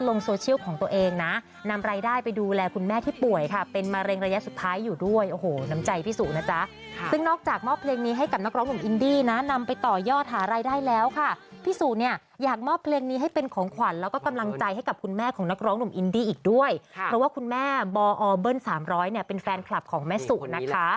ลงโซเชียลของตัวเองนะนำรายได้ไปดูแลคุณแม่ที่ป่วยค่ะเป็นมะเร็งระยะสุดท้ายอยู่ด้วยโอ้โหน้ำใจพี่สุนะจ๊ะซึ่งนอกจากมอบเพลงนี้ให้กับนักร้องหนุ่มอินดี้นะนำไปต่อยอดหารายได้แล้วค่ะพี่สุเนี่ยอยากมอบเพลงนี้ให้เป็นของขวัญแล้วก็กำลังใจให้กับคุณแม่ของนักร้องหนุ่มอินดี้อีกด้วยเพราะว่าคุณแม่บอเบิ้ลสามร้อยเนี่ยเป็นแฟนคลับของแม่สุนะคะ